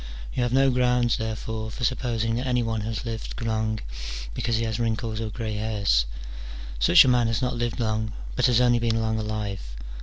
You have no grounds, therefore, for supposing that any one has lived long, because he has wrinkles or grey hairs : such a man has not lived long, but has only been long alive.